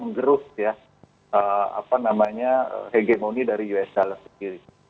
jadi kita harus menggeruh ya hegemoni dari us dollar sendiri